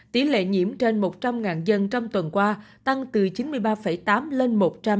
tỷ lệ nhiễm trên một trăm linh dân trong tuần qua tăng từ chín mươi ba tám lên một trăm linh